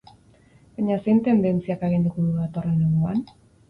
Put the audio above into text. Baina zein tendentziak aginduko du datorren neguan?